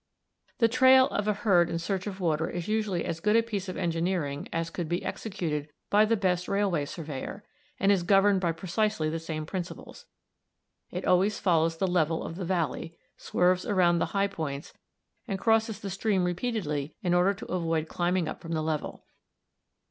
The trail of a herd in search of water is usually as good a piece of engineering as could be executed by the best railway surveyor, and is governed by precisely the same principles. It always follows the level of the valley, swerves around the high points, and crosses the stream repeatedly in order to avoid climbing up from the level.